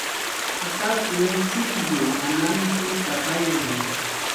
Qaqaku chuqllu hananpi qaqayan.